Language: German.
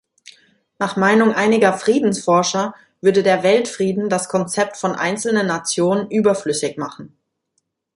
Nach Meinung einiger Friedensforscher würde der Weltfrieden das Konzept von einzelnen Nationen überflüssig machen.